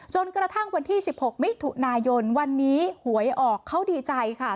กระทั่งวันที่๑๖มิถุนายนวันนี้หวยออกเขาดีใจค่ะ